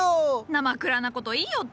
なまくらな事言いおって！